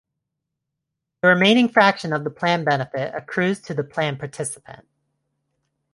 The remaining fraction of the plan benefit accrues to the plan participant.